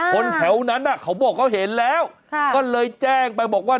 คนแถวนั้นเขาบอกเขาเห็นแล้วก็เลยแจ้งไปบอกว่า